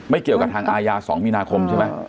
เกี่ยวกับทางอาญา๒มีนาคมใช่ไหม